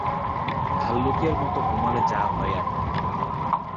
ভাল্লুকের মতো ঘুমালে যা হয় আরকি!